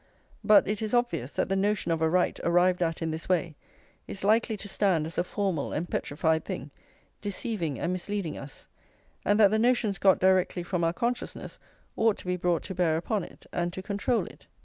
But it is obvious that the notion of a right, arrived at in this way, is likely to stand as a formal and petrified thing, deceiving and misleading us; and that the notions got directly from our consciousness ought to be brought to bear upon it, and to control it.